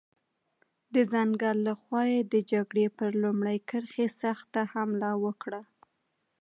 د ځنګل له خوا یې د جګړې پر لومړۍ کرښې سخته حمله وکړه.